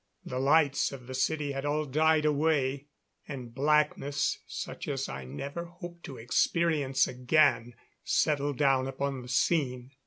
The lights of the city had all died away, and blackness such as I never hope to experience again settled down upon the scene.